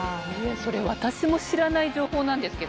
それ私も知らない情報なんですけど。